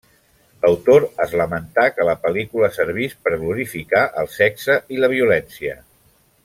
L'autor es lamentà que la pel·lícula servís per glorificar el sexe i la violència.